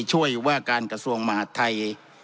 ช่วยว่าการกระทรวงมหาดไทย